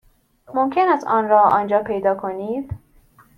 ممکن است آن را آنجا پیدا کنید.